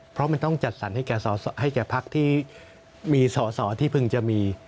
เพราะมันต้องจัดสรรให้แก่พักที่มีสอสอที่เพิ่งจะมี